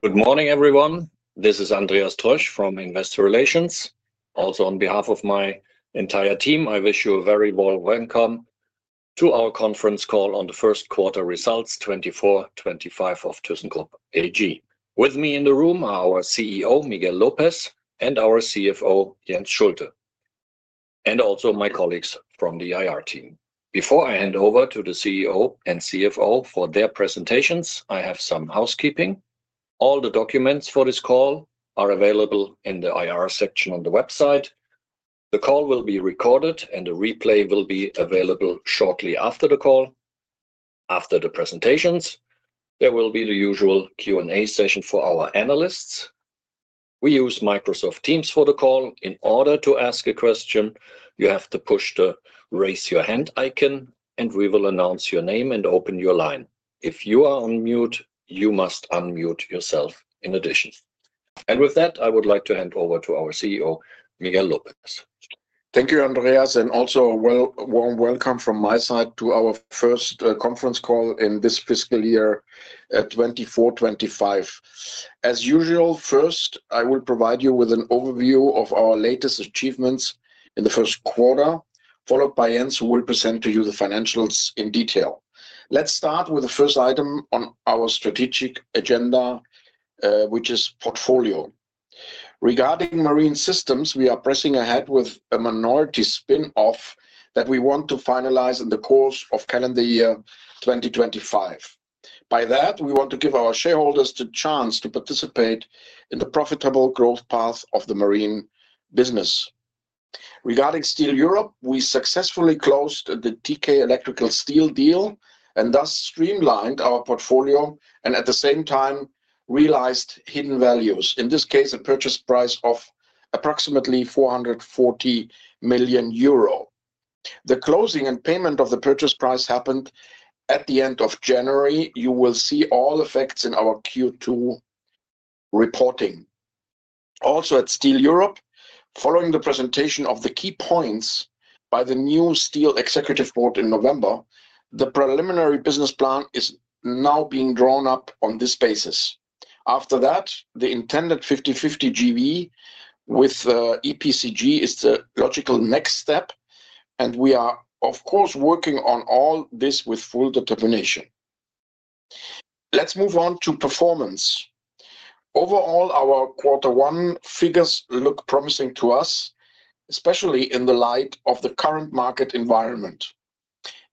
Good morning, everyone. This is Andreas Troesch from Investor Relations. Also, on behalf of my entire team, I wish you a very warm welcome to our conference call on the first quarter results, 24/25 of thyssenkrupp AG. With me in the room are our CEO, Miguel López, and our CFO, Jens Schulte, and also my colleagues from the IR team. Before I hand over to the CEO and CFO for their presentations, I have some housekeeping. All the documents for this call are available in the IR section on the website. The call will be recorded, and the replay will be available shortly after the call. After the presentations, there will be the usual Q&A session for our analysts. We use Microsoft Teams for the call. In order to ask a question, you have to push the raise your hand icon, and we will announce your name and open your line. If you are on mute, you must unmute yourself in addition. And with that, I would like to hand over to our CEO, Miguel López. Thank you, Andreas, and also a warm welcome from my side to our first conference call in this fiscal year, 24/25. As usual, first, I will provide you with an overview of our latest achievements in the first quarter, followed by Jens, who will present to you the financials in detail. Let's start with the first item on our strategic agenda, which is portfolio. Regarding Marine Systems, we are pressing ahead with a minority spin-off that we want to finalize in the course of calendar year 2025. By that, we want to give our shareholders the chance to participate in the profitable growth path of the marine business. Regarding Steel Europe, we successfully closed the TK Electrical Steel deal and thus streamlined our portfolio and at the same time realized hidden values, in this case, a purchase price of approximately 440 million euro. The closing and payment of the purchase price happened at the end of January. You will see all effects in our Q2 reporting. Also, at Steel Europe, following the presentation of the key points by the new Steel Executive Board in November, the preliminary business plan is now being drawn up on this basis. After that, the intended 50/50 JV with EPCG is the logical next step, and we are, of course, working on all this with full determination. Let's move on to performance. Overall, our quarter one figures look promising to us, especially in the light of the current market environment.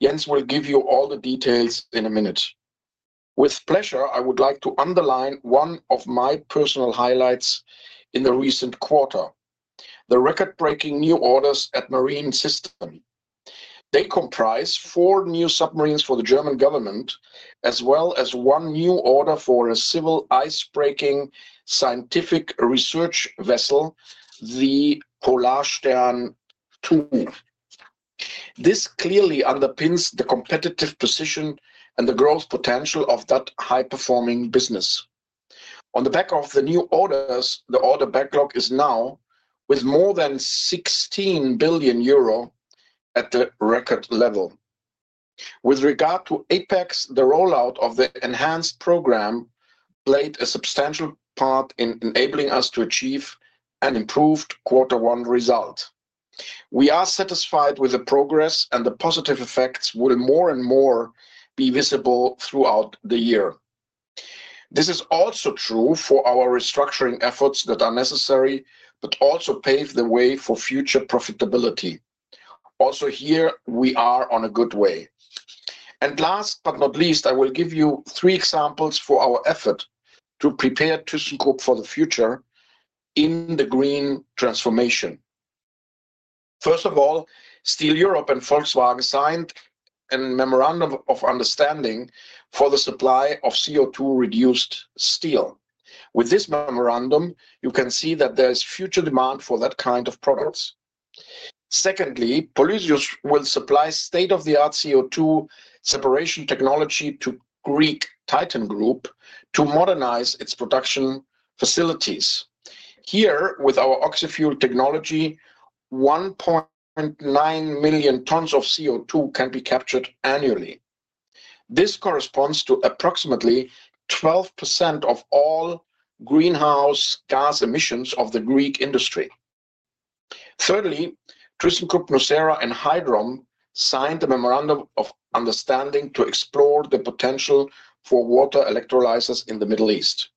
Jens will give you all the details in a minute. With pleasure, I would like to underline one of my personal highlights in the recent quarter: the record-breaking new orders at marine systems. They comprise four new submarines for the German government, as well as one new order for a civil ice-breaking scientific research vessel, the Polarstern II. This clearly underpins the competitive position and the growth potential of that high-performing business. On the back of the new orders, the order backlog is now with more than €16 billion at the record level. With regard to APEX, the rollout of the enhanced program played a substantial part in enabling us to achieve an improved quarter one result. We are satisfied with the progress, and the positive effects will more and more be visible throughout the year. This is also true for our restructuring efforts that are necessary, but also pave the way for future profitability. Also, here we are on a good way. Last but not least, I will give you three examples for our effort to prepare thyssenkrupp for the future in the green transformation. First of all, Steel Europe and Volkswagen signed a memorandum of understanding for the supply of CO2-reduced steel. With this memorandum, you can see that there is future demand for that kind of products. Secondly, Polysius will supply state-of-the-art CO2 separation technology to Greek Titan Group to modernize its production facilities. Here, with our Oxy-Fuel technology, 1.9 million tons of CO2 can be captured annually. This corresponds to approximately 12% of all greenhouse gas emissions of the Greek industry. Thirdly, thyssenkrupp Nucera and Hydrom signed a memorandum of understanding to explore the potential for water electrolyzers in the Middle East.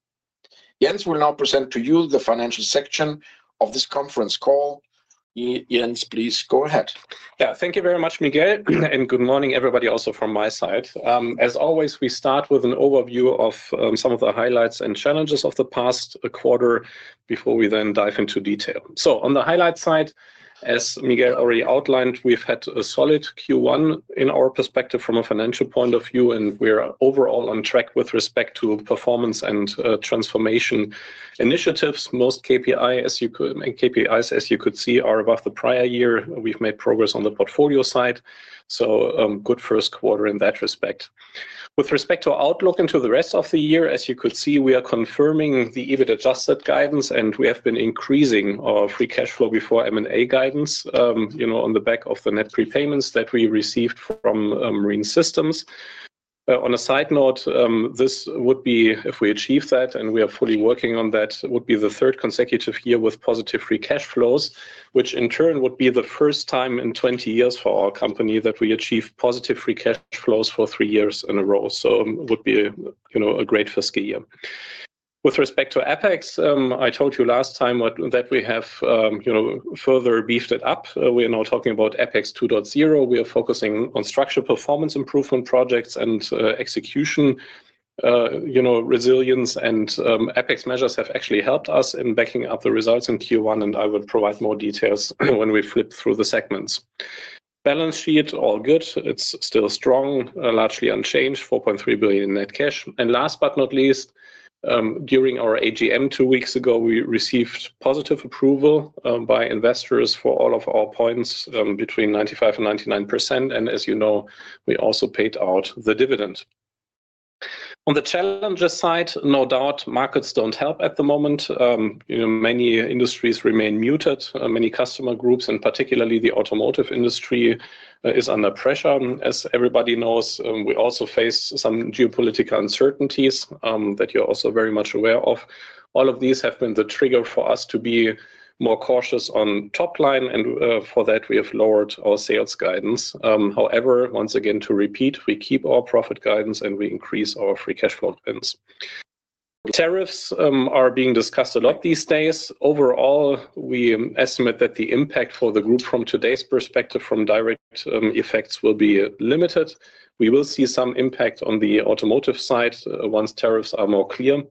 Jens will now present to you the financial section of this conference call. Jens, please go ahead. Yeah, thank you very much, Miguel, and good morning, everybody, also from my side. As always, we start with an overview of some of the highlights and challenges of the past quarter before we then dive into detail. So, on the highlight side, as Miguel already outlined, we've had a solid Q1 in our perspective from a financial point of view, and we're overall on track with respect to performance and transformation initiatives. Most KPIs, as you could see, are above the prior year. We've made progress on the portfolio side. So, good first quarter in that respect. With respect to our outlook into the rest of the year, as you could see, we are confirming the EBIT adjusted guidance, and we have been increasing our free cash flow before M&A guidance on the back of the net prepayments that we received from Marine Systems. On a side note, this would be, if we achieve that, and we are fully working on that, would be the third consecutive year with positive free cash flows, which in turn would be the first time in 20 years for our company that we achieve positive free cash flows for three years in a row. So, it would be a great fiscal year. With respect to APEX, I told you last time that we have further beefed it up. We are now talking about APEX 2.0. We are focusing on structured performance improvement projects and execution. Resilience and APEX measures have actually helped us in backing up the results in Q1, and I will provide more details when we flip through the segments. Balance sheet, all good. It's still strong, largely unchanged, 4.3 billion in net cash. And last but not least, during our AGM two weeks ago, we received positive approval by investors for all of our points between 95% and 99%. And as you know, we also paid out the dividend. On the challenges side, no doubt markets don't help at the moment. Many industries remain muted. Many customer groups, and particularly the Automotive industry, are under pressure. As everybody knows, we also face some geopolitical uncertainties that you're also very much aware of. All of these have been the trigger for us to be more cautious on top line, and for that, we have lowered our sales guidance. However, once again, to repeat, we keep our profit guidance, and we increase our free cash flow spends. Tariffs are being discussed a lot these days. Overall, we estimate that the impact for the group from today's perspective, from direct effects, will be limited. We will see some impact on the Automotive side once tariffs are more clear.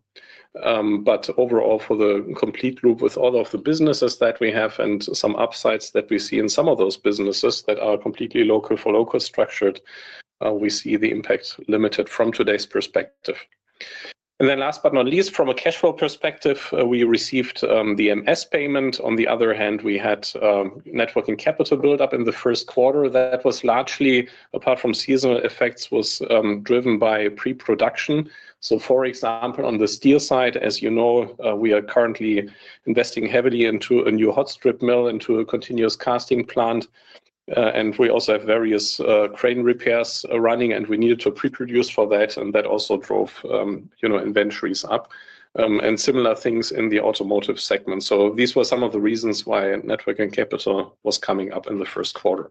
But overall, for the complete group, with all of the businesses that we have and some upsides that we see in some of those businesses that are completely local for local structured, we see the impact limited from today's perspective. And then last but not least, from a cash flow perspective, we received the MS payment. On the other hand, we had net working capital build-up in the first quarter that was largely, apart from seasonal effects, driven by pre-production. So, for example, on the steel side, as you know, we are currently investing heavily into a new hot strip mill, into a continuous casting plant, and we also have various crane repairs running, and we needed to pre-produce for that, and that also drove inventories up and similar things in the Automotive segment. These were some of the reasons why net working capital was coming up in the first quarter.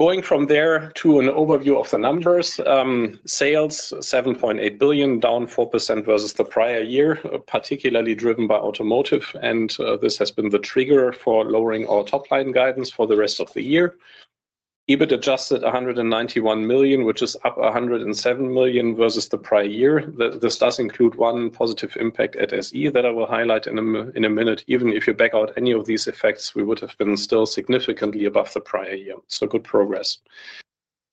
Going from there to an overview of the numbers, sales 7.8 billion, down 4% versus the prior year, particularly driven by Automotive, and this has been the trigger for lowering our top line guidance for the rest of the year. EBIT adjusted 191 million, which is up 107 million versus the prior year. This does include one positive impact at SE that I will highlight in a minute. Even if you back out any of these effects, we would have been still significantly above the prior year. So, good progress.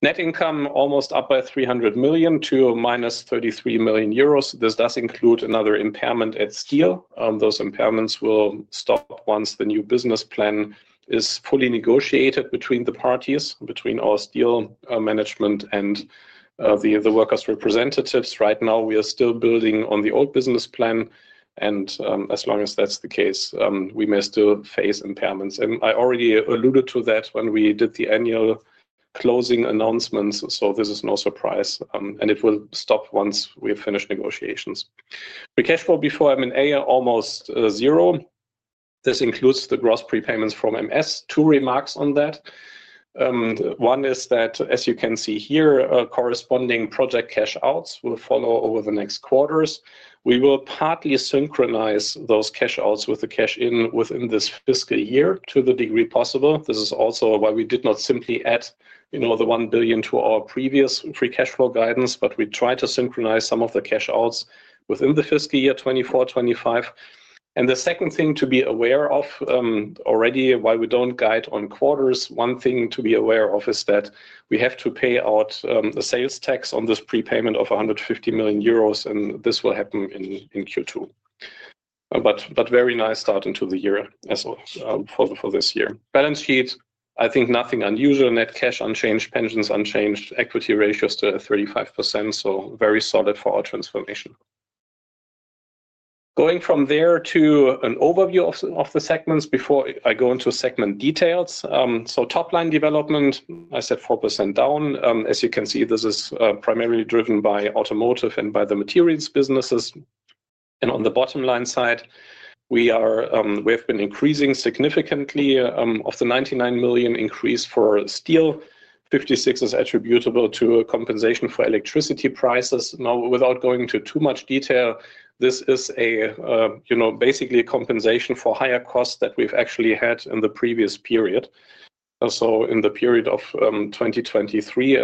Net income almost up by 300 million to -33 million. This does include another impairment at steel. Those impairments will stop once the new business plan is fully negotiated between the parties, between our steel management and the workers' representatives. Right now, we are still building on the old business plan, and as long as that's the case, we may still face impairments, and I already alluded to that when we did the annual closing announcements, so this is no surprise, and it will stop once we finish negotiations. Free cash flow before M&A almost zero. This includes the gross prepayments from MS. Two remarks on that. One is that, as you can see here, corresponding project cash outs will follow over the next quarters. We will partly synchronize those cash outs with the cash in within this fiscal year to the degree possible. This is also why we did not simply add the 1 billion to our previous free cash flow guidance, but we tried to synchronize some of the cash outs within the fiscal year 2024/25. And the second thing to be aware of already, why we don't guide on quarters, one thing to be aware of is that we have to pay out the sales tax on this prepayment of 150 million euros, and this will happen in Q2. But very nice start into the year for this year. Balance sheet, I think nothing unusual. Net cash unchanged, pensions unchanged, equity ratios to 35%, so very solid for our transformation. Going from there to an overview of the segments before I go into segment details. So, top line development, I said 4% down. As you can see, this is primarily driven by Automotive and by the materials businesses. And on the bottom line side, we have been increasing significantly. Of the 99 million increase for steel, 56 is attributable to compensation for electricity prices. Now, without going into too much detail, this is basically a compensation for higher costs that we've actually had in the previous period, so in the period of 2023.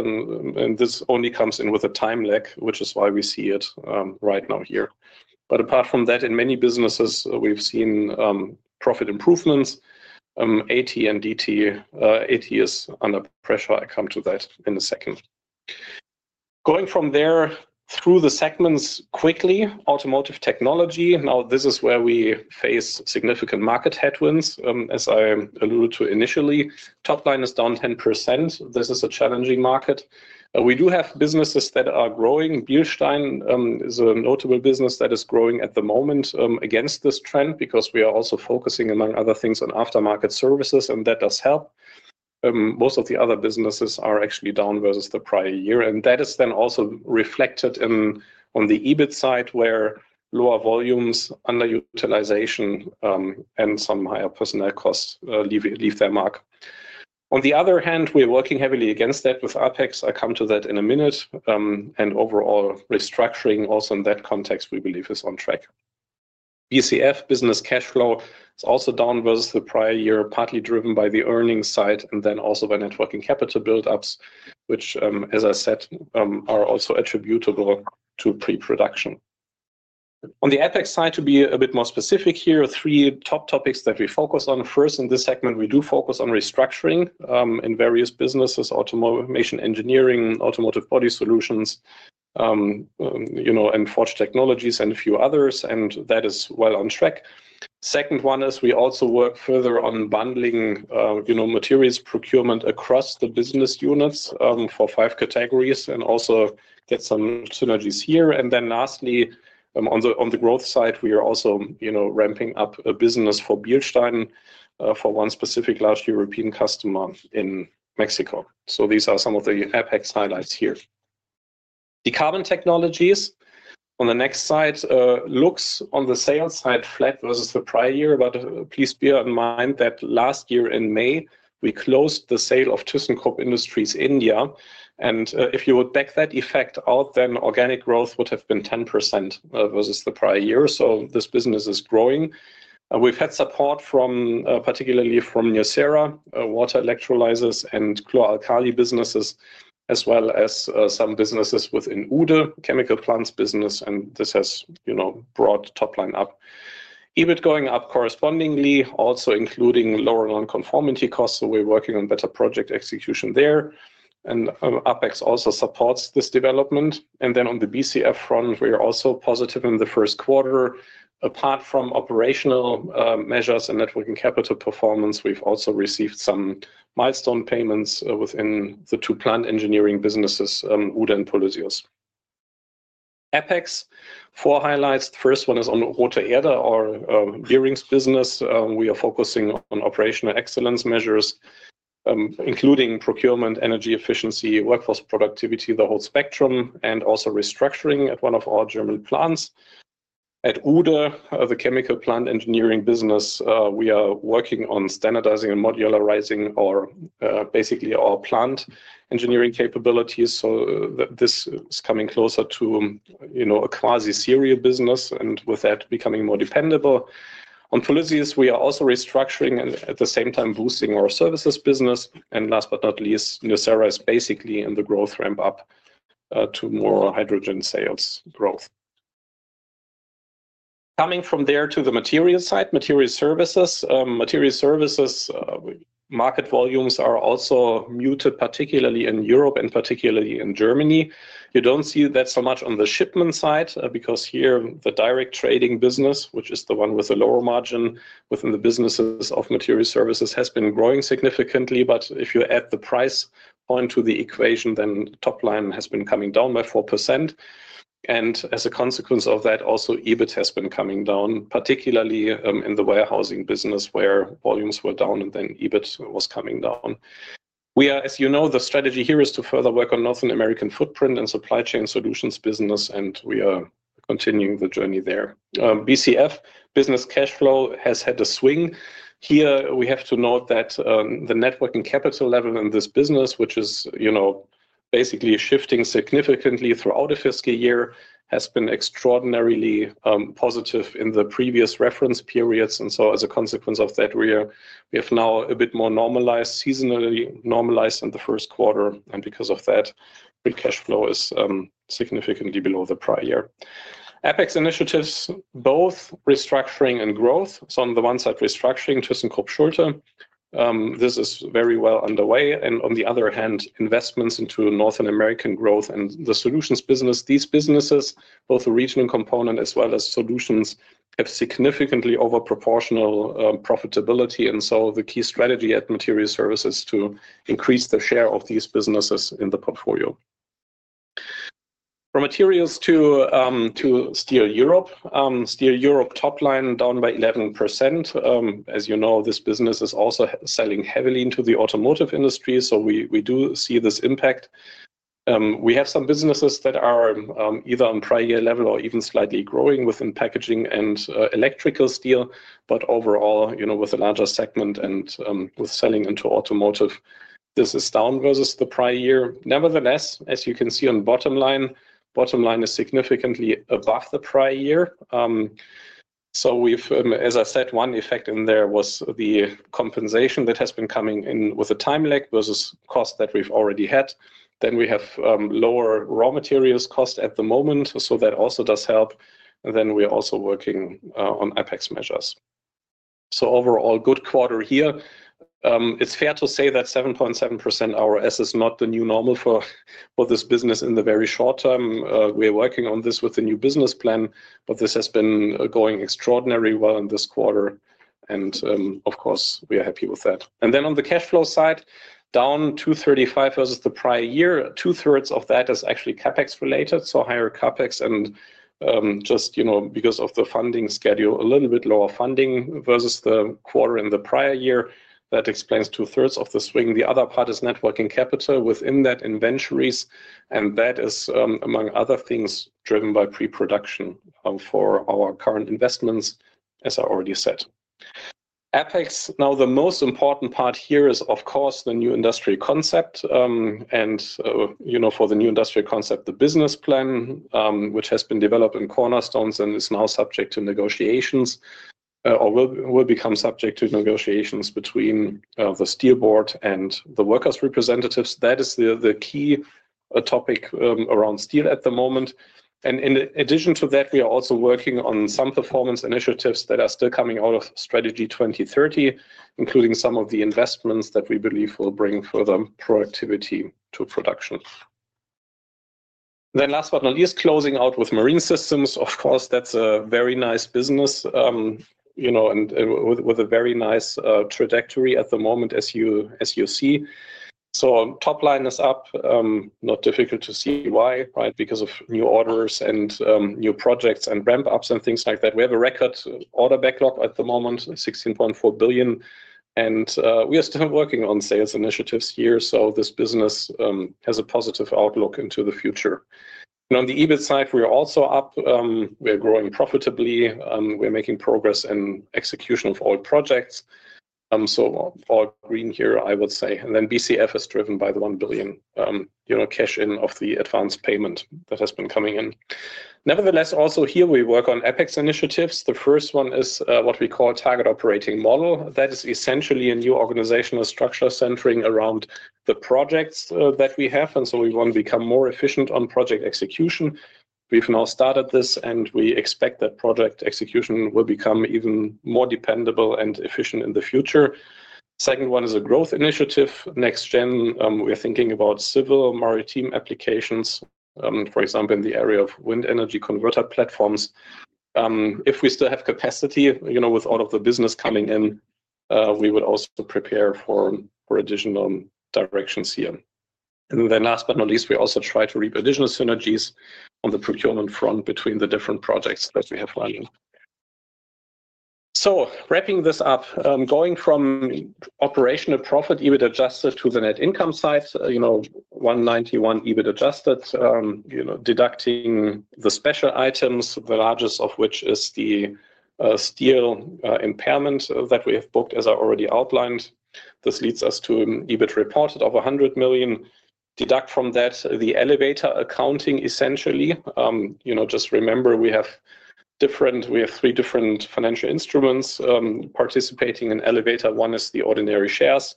And this only comes in with a time lag, which is why we see it right now here. But apart from that, in many businesses, we've seen profit improvements. AT and DT, AT is under pressure. I'll come to that in a second. Going from there through the segments quickly, Automotive Technology. Now, this is where we face significant market headwinds, as I alluded to initially. Top line is down 10%. This is a challenging market. We do have businesses that are growing. Bilstein is a notable business that is growing at the moment against this trend because we are also focusing, among other things, on aftermarket services, and that does help. Most of the other businesses are actually down versus the prior year, and that is then also reflected on the EBIT side, where lower volumes, underutilization, and some higher personnel costs leave their mark. On the other hand, we are working heavily against that with APEX. I'll come to that in a minute, and overall, restructuring also in that context, we believe, is on track. BCF, business cash flow, is also down versus the prior year, partly driven by the earnings side and then also by net working capital build-ups, which, as I said, are also attributable to pre-production. On the APEX side, to be a bit more specific here, three top topics that we focus on. First, in this segment, we do focus on restructuring in various businesses: Automation Engineering, Automotive Body Solutions, and Forge Technologies, and a few others, and that is well on track. Second one is we also work further on bundling materials procurement across the business units for five categories and also get some synergies here. And then lastly, on the growth side, we are also ramping up a business for Bilstein for one specific large European customer in Mexico. So, these are some of the APEX highlights here. The Decarbon Technologies on the next slide looks on the sales side flat versus the prior year, but please bear in mind that last year in May, we closed the sale of thyssenkrupp Industries India. And if you would back that effect out, then organic growth would have been 10% versus the prior year. So, this business is growing. We've had support, particularly from Nucera, water electrolyzers and chloralkali businesses, as well as some businesses within Uhde, chemical plants business, and this has brought top line up. EBIT going up correspondingly, also including lower non-conformity costs. So, we're working on better project execution there, and APEX also supports this development. And then on the BCF front, we are also positive in the first quarter. Apart from operational measures and net working capital performance, we've also received some milestone payments within the two plant engineering businesses, Uhde and Polysius. APEX, four highlights. The first one is on Rothe Erde, our bearings business. We are focusing on operational excellence measures, including procurement, energy efficiency, workforce productivity, the whole spectrum, and also restructuring at one of our German plants. At Uhde, the chemical plant engineering business, we are working on standardizing and modularizing basically our plant engineering capabilities. So, this is coming closer to a quasi-serial business and with that becoming more dependable. On Polysius, we are also restructuring and at the same time boosting our services business. Last but not least, Nucera is basically in the growth ramp up to more hydrogen sales growth. Coming from there to the materials side, Materials Services, Materials Services market volumes are also muted, particularly in Europe and particularly in Germany. You don't see that so much on the shipment side because here the direct trading business, which is the one with a lower margin within the businesses of Materials Services, has been growing significantly. If you add the price point to the equation, then top line has been coming down by 4%. As a consequence of that, also EBIT has been coming down, particularly in the warehousing business where volumes were down and then EBIT was coming down. We are, as you know, the strategy here is to further work on North American footprint and supply chain solutions business, and we are continuing the journey there. BCF, business cash flow, has had a swing. Here, we have to note that the net working capital level in this business, which is basically shifting significantly throughout the fiscal year, has been extraordinarily positive in the previous reference periods. As a consequence of that, we have now a bit more normalized, seasonally normalized in the first quarter. Because of that, cash flow is significantly below the prior year. APEX initiatives, both restructuring and growth. On the one side, restructuring thyssenkrupp Schulte; this is very well underway. On the other hand, investments into North American growth and the solutions business; these businesses, both the regional component as well as solutions, have significantly overproportional profitability. The key strategy at Materials Services is to increase the share of these businesses in the portfolio. From materials to Steel Europe, Steel Europe top line down by 11%. As you know, this business is also selling heavily into the Automotive industry. So, we do see this impact. We have some businesses that are either on prior year level or even slightly growing within packaging and electrical steel, but overall, with a larger segment and with selling into Automotive, this is down versus the prior year. Nevertheless, as you can see on bottom line, bottom line is significantly above the prior year. So, as I said, one effect in there was the compensation that has been coming in with a time lag versus cost that we've already had. Then we have lower raw materials cost at the moment, so that also does help. And then we are also working on APEX measures. So, overall, good quarter here. It's fair to say that 7.7% ROS is not the new normal for this business in the very short term. We are working on this with the new business plan, but this has been going extraordinarily well in this quarter. And of course, we are happy with that. And then on the cash flow side, down 235 versus the prior year, two-thirds of that is actually CapEx related. So, higher CapEx and just because of the funding schedule, a little bit lower funding versus the quarter in the prior year. That explains two-thirds of the swing. The other part is net working capital within that inventories, and that is, among other things, driven by pre-production for our current investments, as I already said. APEX, now the most important part here is, of course, the new industry concept. For the new industry concept, the business plan, which has been developed in cornerstones and is now subject to negotiations or will become subject to negotiations between the steel board and the workers' representatives. That is the key topic around steel at the moment. In addition to that, we are also working on some performance initiatives that are still coming out of Strategy 2030, including some of the investments that we believe will bring further productivity to production. Last but not least, closing out with Marine Systems. Of course, that's a very nice business and with a very nice trajectory at the moment, as you see. Top line is up. Not difficult to see why, right? Because of new orders and new projects and ramp-ups and things like that. We have a record order backlog at the moment, 16.4 billion, and we are still working on sales initiatives here. So, this business has a positive outlook into the future. And on the EBIT side, we are also up. We are growing profitably. We are making progress in execution of old projects. So, all green here, I would say. And then BCF is driven by the 1 billion euro cash in of the advance payment that has been coming in. Nevertheless, also here, we work on APEX initiatives. The first one is what we call target operating model. That is essentially a new organizational structure centering around the projects that we have. And so, we want to become more efficient on project execution. We've now started this, and we expect that project execution will become even more dependable and efficient in the future. Second one is a growth initiative, next gen. We're thinking about civil maritime applications, for example, in the area of wind energy converter platforms. If we still have capacity with all of the business coming in, we would also prepare for additional directions here, and then last but not least, we also try to reap additional synergies on the procurement front between the different projects that we have running, so wrapping this up, going from operational profit EBIT adjusted to the net income side, 191 million EBIT adjusted, deducting the special items, the largest of which is the steel impairment that we have booked, as I already outlined. This leads us to EBIT reported of 100 million. Deduct from that the Elevator accounting, essentially. Just remember, we have three different financial instruments participating in Elevator. One is the ordinary shares.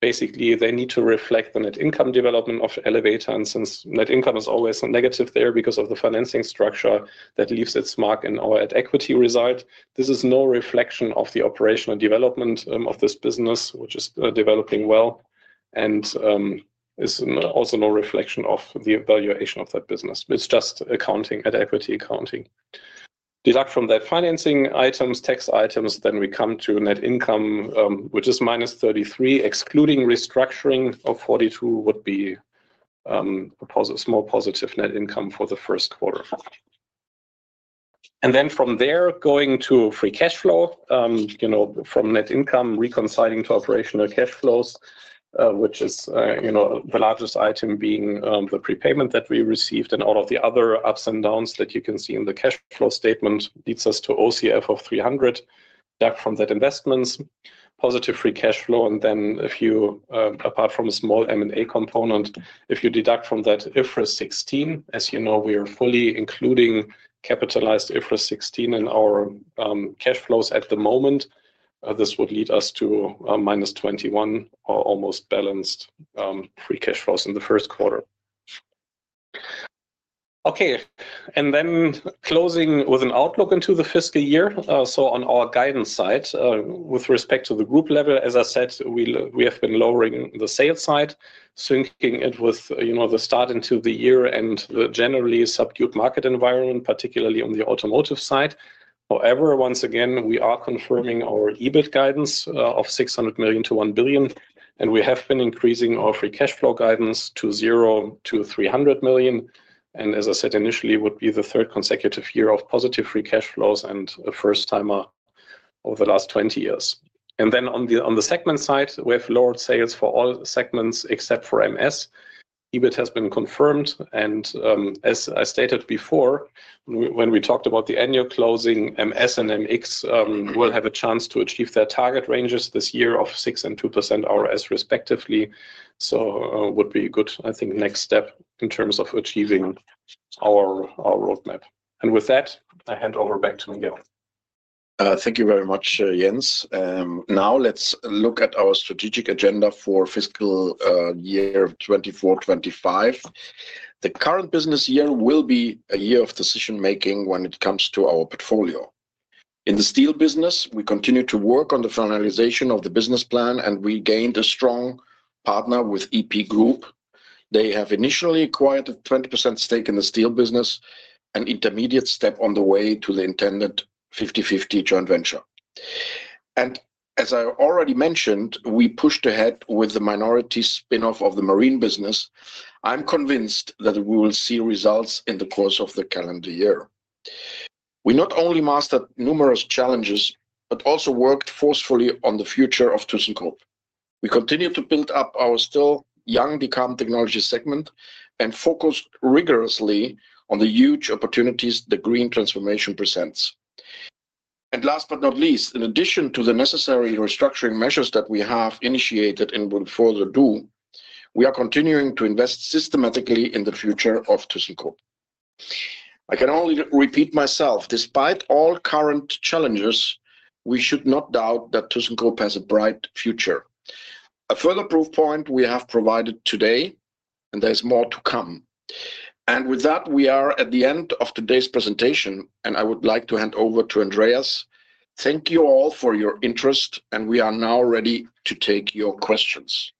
Basically, they need to reflect the net income development of Elevator. And since net income is always negative there because of the financing structure that leaves its mark in our equity result, this is no reflection of the operational development of this business, which is developing well and is also no reflection of the valuation of that business. It's just accounting, equity accounting. Deduct from that financing items, tax items, then we come to net income, which is -33. Excluding restructuring of 42 would be a small positive net income for the first quarter. And then from there, going to free cash flow from net income, reconciling to operational cash flows, which is the largest item being the prepayment that we received and all of the other ups and downs that you can see in the cash flow statement leads us to OCF of 300. Deduct from that investments [for] positive free cash flow, and then if you, apart from a small M&A component, if you deduct from that IFRS 16, as you know, we are fully including capitalized IFRS 16 in our cash flows at the moment. This would lead us to -21 million or almost balanced free cash flows in the first quarter. Okay. And then closing with an outlook into the fiscal year. So, on our guidance side, with respect to the group level, as I said, we have been lowering the sales side, syncing it with the start into the year and the generally subdued market environment, particularly on the Automotive side. However, once again, we are confirming our EBIT guidance of 600 million to 1 billion, and we have been increasing our free cash flow guidance to 0 to 300 million. As I said initially, it would be the third consecutive year of positive free cash flows and a first time over the last 20 years. Then on the segment side, we have lowered sales for all segments except for MS. EBIT has been confirmed. As I stated before, when we talked about the annual closing, MS and MX will have a chance to achieve their target ranges this year of 6% and 2% ROS, respectively. It would be a good, I think, next step in terms of achieving our roadmap. With that, I hand over back to Miguel. Thank you very much, Jens. Now, let's look at our strategic agenda for fiscal year 2024-25. The current business year will be a year of decision-making when it comes to our portfolio. In the steel business, we continue to work on the finalization of the business plan, and we gained a strong partner with EP Group. They have initially acquired a 20% stake in the steel business, an intermediate step on the way to the intended 50-50 joint venture, and as I already mentioned, we pushed ahead with the minority spinoff of the marine business. I'm convinced that we will see results in the course of the calendar year. We not only mastered numerous challenges, but also worked forcefully on the future of thyssenkrupp. We continue to build up our still young hydrogen technology segment and focused rigorously on the huge opportunities the green transformation presents. And last but not least, in addition to the necessary restructuring measures that we have initiated and will further do, we are continuing to invest systematically in the future of thyssenkrupp. I can only repeat myself, despite all current challenges, we should not doubt that thyssenkrupp has a bright future. A further proof point we have provided today, and there's more to come. And with that, we are at the end of today's presentation, and I would like to hand over to Andreas. Thank you all for your interest, and we are now ready to take your questions.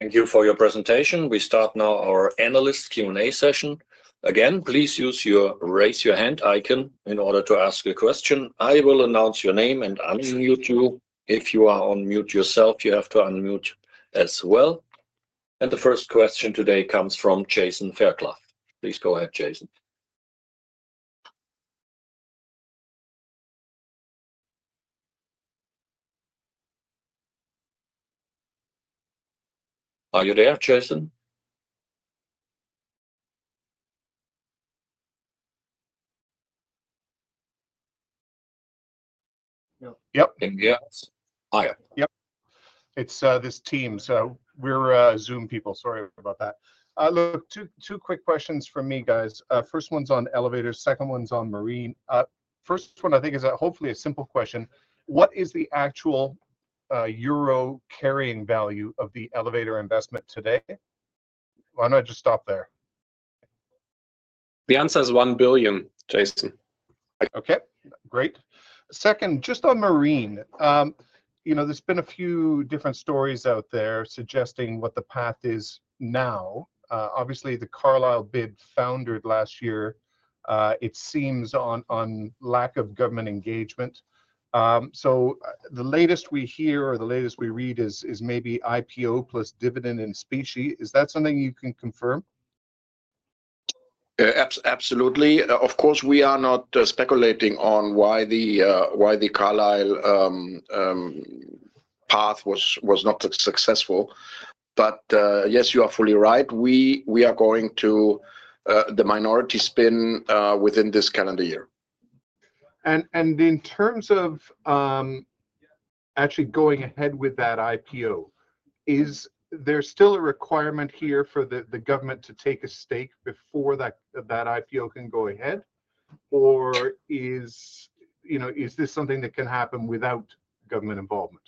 Thank you for your presentation. We start now our analyst Q&A session. Again, please use your raise your hand icon in order to ask a question. I will announce your name and unmute you. If you are on mute yourself, you have to unmute as well. And the first question today comes from Jason Fairclough. Please go ahead, Jason. Are you there, Jason? Yep. Yep. Yep. It's Teams. So we're Zoom people. Sorry about that. Look, two quick questions for me, guys. First one's on elevators. Second one's on marine. First one, I think, is hopefully a simple question. What is the actual euro carrying value of the elevator investment today? Why don't I just stop there? The answer is 1 billion, Jason. Okay. Great. Second, just on marine. There's been a few different stories out there suggesting what the path is now. Obviously, the Carlyle bid foundered last year, it seems, on lack of government engagement. So the latest we hear or the latest we read is maybe IPO plus dividend in specie. Is that something you can confirm? Absolutely. Of course, we are not speculating on why the Carlyle path was not successful. But yes, you are fully right. We are going to the minority spin within this calendar year. And in terms of actually going ahead with that IPO, is there still a requirement here for the government to take a stake before that IPO can go ahead? Or is this something that can happen without government involvement?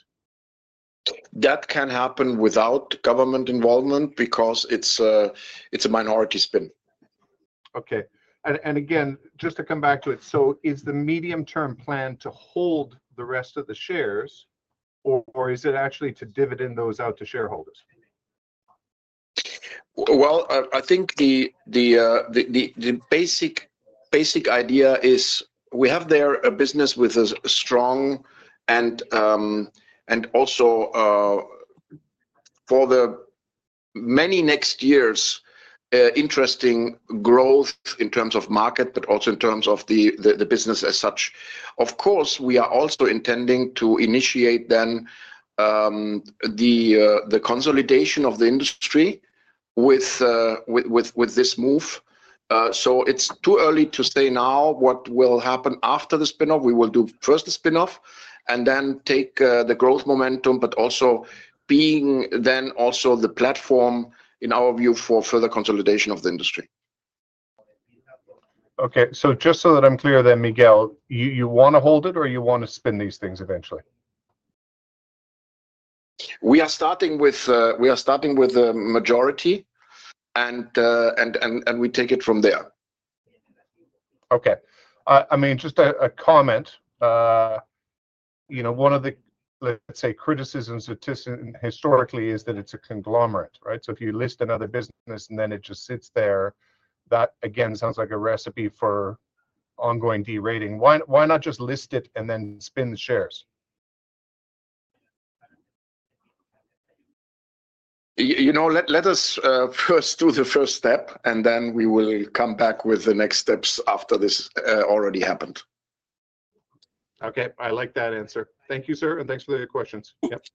That can happen without government involvement because it's a minority spin. Okay. And again, just to come back to it, so is the medium-term plan to hold the rest of the shares, or is it actually to dividend those out to shareholders? Well, I think the basic idea is we have there a business with a strong and also for the many next years, interesting growth in terms of market, but also in terms of the business as such. Of course, we are also intending to initiate then the consolidation of the industry with this move. So it's too early to say now what will happen after the spinoff. We will do first the spinoff and then take the growth momentum, but also being then also the platform, in our view, for further consolidation of the industry. Okay. So just so that I'm clear then, Miguel, you want to hold it or you want to spin these things eventually? We are starting with the majority, and we take it from there. Okay. I mean, just a comment. One of the, let's say, criticisms of thyssenkrupp historically is that it's a conglomerate, right? So if you list another business and then it just sits there, that, again, sounds like a recipe for ongoing derating. Why not just list it and then spin the shares? Let us first do the first step, and then we will come back with the next steps after this already happened. Okay. I like that answer. Thank you, sir. And thanks for the questions. Yep.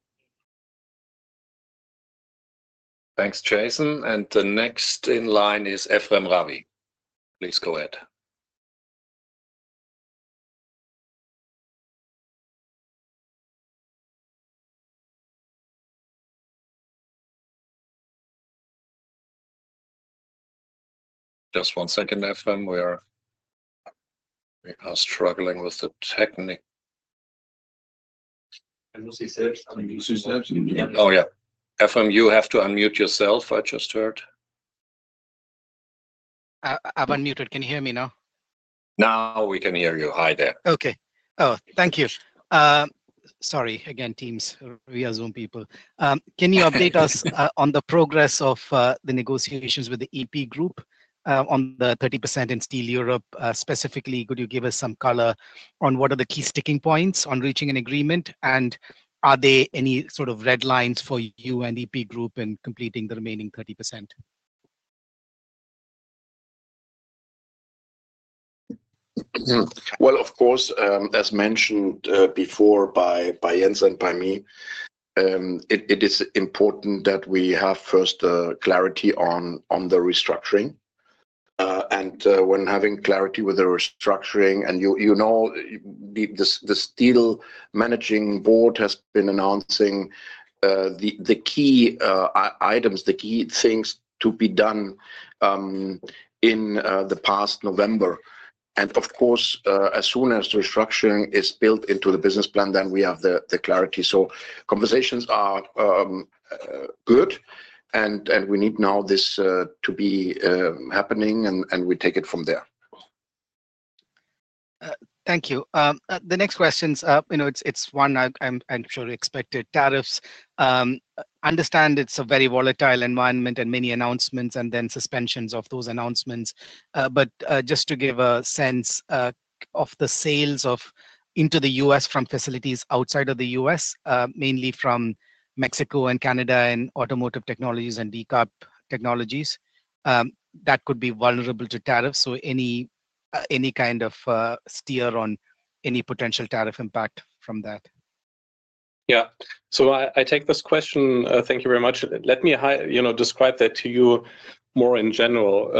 Thanks, Jason. And the next in line is Ephrem Ravi. Please go ahead. Just one second, Ephrem. We are struggling with the technique. Oh, yeah. Ephrem, you have to unmute yourself, I just heard. I've unmuted. Can you hear me now? Now we can hear you. Hi there. Okay. Oh, thank you. Sorry again, Teams. We are Zoom people. Can you update us on the progress of the negotiations with the EP Group on the 30% in Steel Europe specifically? Could you give us some color on what are the key sticking points on reaching an agreement? And are there any sort of red lines for you and EP Group in completing the remaining 30%? Well, of course, as mentioned before by Jens and by me, it is important that we have first clarity on the restructuring. When having clarity with the restructuring, and you know, the steel managing board has been announcing the key items, the key things to be done in the past November. Of course, as soon as the restructuring is built into the business plan, then we have the clarity. Conversations are good, and we need now this to be happening, and we take it from there. Thank you. The next questions, it's one I'm sure you expected, tariffs. Understand it's a very volatile environment and many announcements and then suspensions of those announcements. Just to give a sense of the sales into the U.S. from facilities outside of the U.S., mainly from Mexico and Canada and Automotive Technologies and decarbonization technologies, that could be vulnerable to tariffs. Any kind of steer on any potential tariff impact from that. Yeah. I take this question. Thank you very much. Let me describe that to you more in general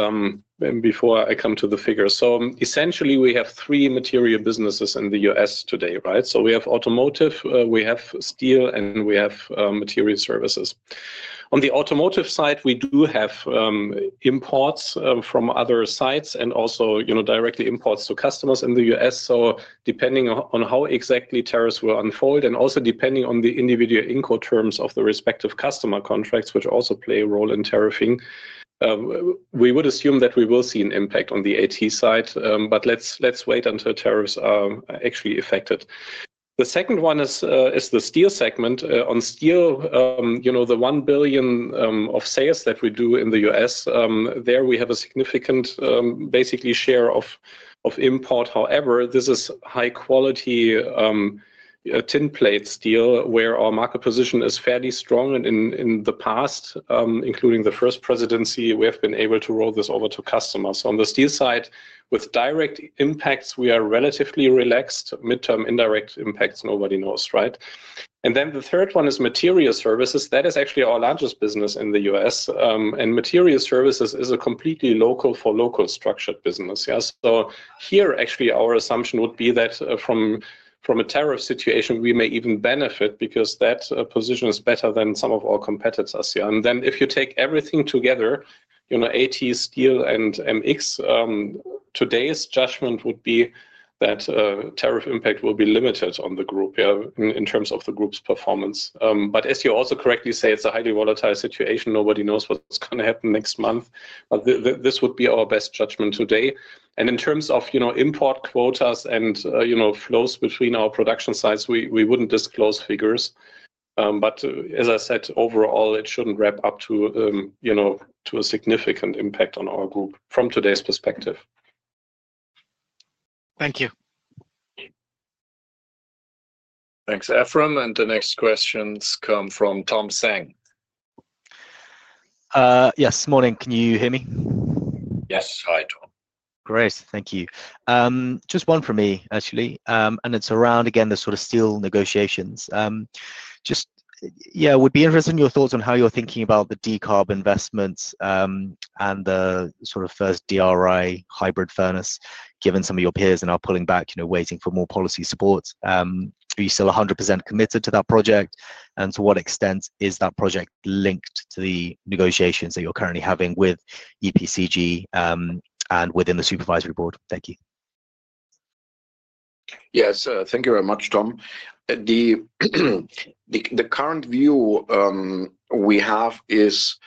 before I come to the figures. So essentially, we have three material businesses in the U.S. today, right? So we have Automotive, we have steel, and we have Material Services. On the Automotive side, we do have imports from other sites and also directly imports to customers in the U.S. So depending on how exactly tariffs will unfold and also depending on the individual Incoterms of the respective customer contracts, which also play a role in tariffing, we would assume that we will see an impact on the AT side. But let's wait until tariffs are actually enacted. The second one is the steel segment. On steel, the 1 billion of sales that we do in the U.S., there we have a significant basically share of import. However, this is high-quality tin plate steel where our market position is fairly strong, and in the past, including the first presidency, we have been able to roll this over to customers. On the steel side, with direct impacts, we are relatively relaxed. Midterm indirect impacts, nobody knows, right, and then the third one is Material Services. That is actually our largest business in the U.S., and Material Services is a completely local for local structured business, so here, actually, our assumption would be that from a tariff situation, we may even benefit because that position is better than some of our competitors, and then if you take everything together, AT, steel, and MX, today's judgment would be that tariff impact will be limited on the group in terms of the group's performance, but as you also correctly say, it's a highly volatile situation. Nobody knows what's going to happen next month, but this would be our best judgment today, and in terms of import quotas and flows between our production sites, we wouldn't disclose figures, but as I said, overall, it shouldn't add up to a significant impact on our group from today's perspective. Thank you. Thanks, Ephrem, and the next questions come from Tom Zhang. Yes. Morning. Can you hear me? Yes. Hi, Tom. Great. Thank you. Just one for me, actually, and it's around, again, the sort of steel negotiations. Just, yeah, would be interested in your thoughts on how you're thinking about the decarb investments and the sort of first DRI hybrid furnace, given some of your peers are now pulling back, waiting for more policy support. Are you still 100% committed to that project? To what extent is that project linked to the negotiations that you're currently having with EPCG and within the supervisory board? Thank you. Yes. Thank you very much, Tom. The current view we have is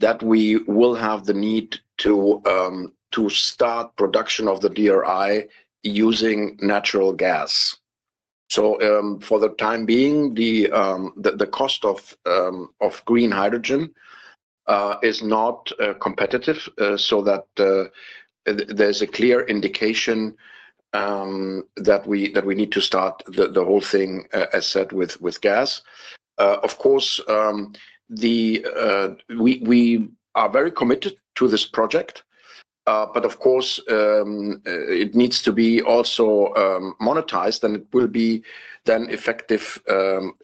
that we will have the need to start production of the DRI using natural gas, so for the time being, the cost of green hydrogen is not competitive so that there's a clear indication that we need to start the whole thing, as said, with gas. Of course, we are very committed to this project, but of course, it needs to be also monetized, and it will be then effective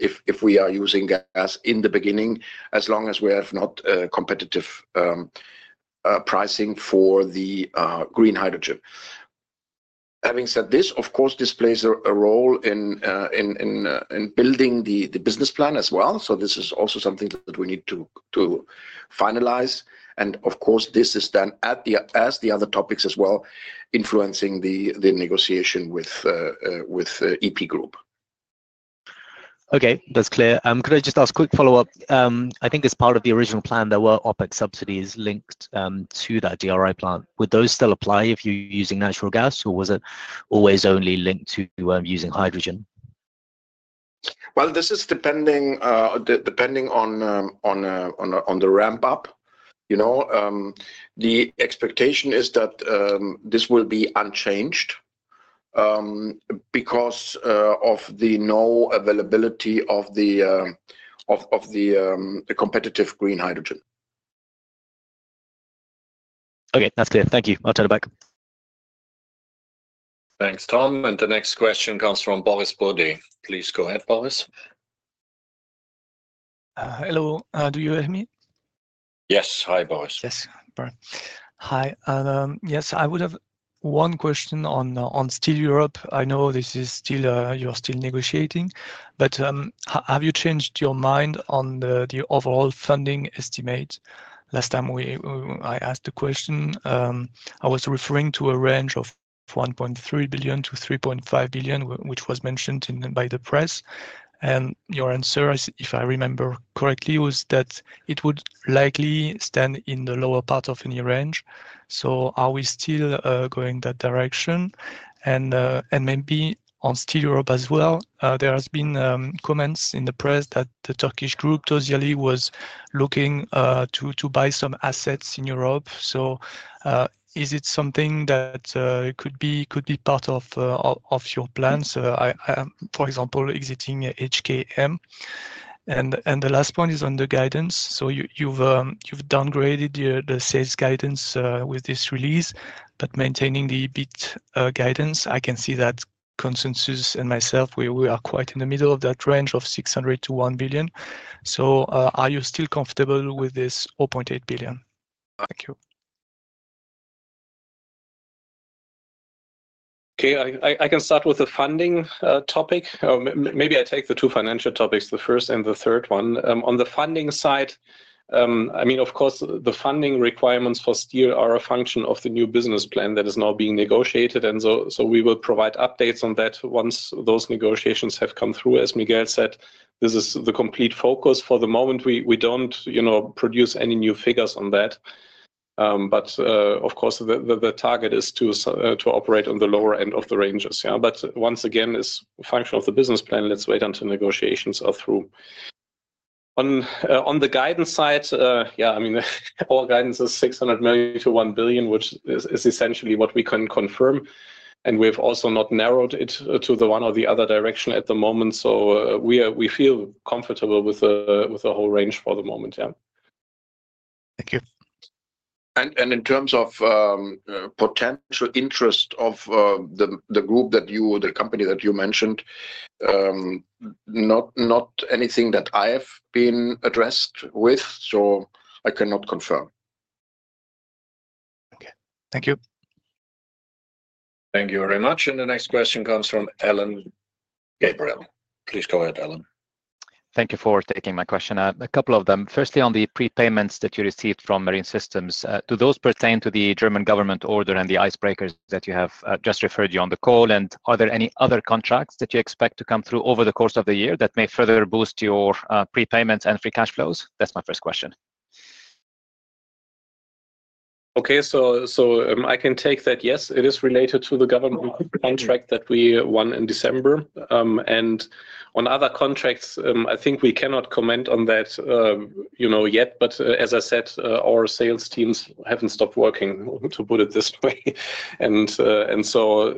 if we are using gas in the beginning, as long as we have not competitive pricing for the green hydrogen. Having said this, of course, this plays a role in building the business plan as well. This is also something that we need to finalize. And of course, this is then, as the other topics as well, influencing the negotiation with EP Group. Okay. That's clear. Could I just ask a quick follow-up? I think as part of the original plan, there were OPEX subsidies linked to that DRI plant. Would those still apply if you're using natural gas, or was it always only linked to using hydrogen? Well, this is depending on the ramp-up. The expectation is that this will be unchanged because of the low availability of the competitive green hydrogen. Okay. That's clear. Thank you. I'll turn it back. Thanks, Tom. And the next question comes from Boris Bourdet. Please go ahead, Boris. Hello. Do you hear me? Yes. Hi, Boris. I would have one question on Steel Europe. I know this is Steel Europe you're still negotiating. But have you changed your mind on the overall funding estimate? Last time I asked the question, I was referring to a range of 1.3 billion to 3.5 billion, which was mentioned by the press. And your answer, if I remember correctly, was that it would likely stand in the lower part of any range. So are we still going that direction? And maybe on Steel Europe as well, there have been comments in the press that the Turkish group, Tosyalı, was looking to buy some assets in Europe. So is it something that could be part of your plans? For example, exiting HKM. And the last point is on the guidance. So you've downgraded the sales guidance with this release, but maintaining the EBIT guidance. I can see that consensus and myself, we are quite in the middle of that range of 600 million to 1 billion. Are you still comfortable with this 0.8 billion? Thank you. Okay. I can start with the funding topic. Maybe I take the two financial topics, the first and the third one. On the funding side, I mean, of course, the funding requirements for steel are a function of the new business plan that is now being negotiated. And so we will provide updates on that once those negotiations have come through. As Miguel said, this is the complete focus. For the moment, we don't produce any new figures on that. But of course, the target is to operate on the lower end of the ranges. But once again, it's a function of the business plan. Let's wait until negotiations are through. On the guidance side, yeah, I mean, our guidance is 600 million to 1 billion, which is essentially what we can confirm. And we've also not narrowed it to the one or the other direction at the moment. So we feel comfortable with the whole range for the moment. Yeah. Thank you. And in terms of potential interest of the group that you, the company that you mentioned, not anything that I've been addressed with. So I cannot confirm. Okay. Thank you. Thank you very much. And the next question comes from Alain Gabriel. Please go ahead, Alain. Thank you for taking my question. A couple of them. Firstly, on the prepayments that you received from Marine Systems, do those pertain to the German government order and the icebreakers that you have just referred to on the call? And are there any other contracts that you expect to come through over the course of the year that may further boost your prepayments and free cash flows? That's my first question. Okay. I can take that. Yes, it is related to the government contract that we won in December. And on other contracts, I think we cannot comment on that yet, but as I said, our sales teams haven't stopped working, to put it this way. And so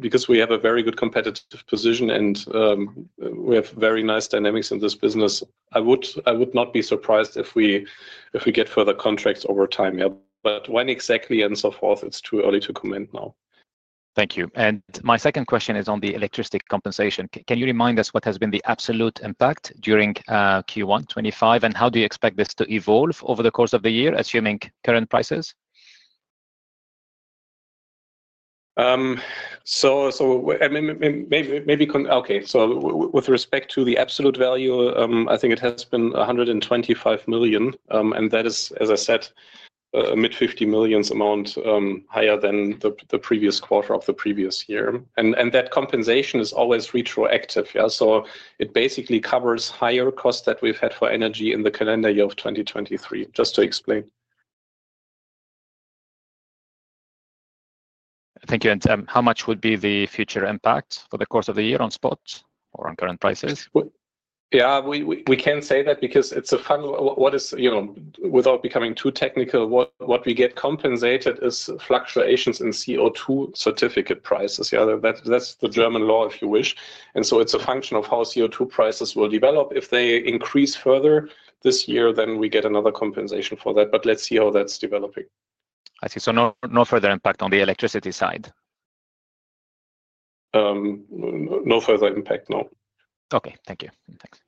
because we have a very good competitive position and we have very nice dynamics in this business, I would not be surprised if we get further contracts over time. But when exactly and so forth, it's too early to comment now. Thank you. And my second question is on the electricity compensation. Can you remind us what has been the absolute impact during Q1 2025, and how do you expect this to evolve over the course of the year, assuming current prices? So with respect to the absolute value, I think it has been 125 million. That is, as I said, a mid-50 million EUR amount, higher than the previous quarter of the previous year. That compensation is always retroactive. It basically covers higher costs that we've had for energy in the calendar year of 2023, just to explain. Thank you. How much would be the future impact for the course of the year on spots or on current prices? Yeah. We can say that because it's a fund what is, without becoming too technical, what we get compensated is fluctuations in CO2 certificate prices. That's the German law, if you wish. It's a function of how CO2 prices will develop. If they increase further this year, then we get another compensation for that. Let's see how that's developing. I see. No further impact on the electricity side? No further impact, no. Okay. Thank you. Thanks.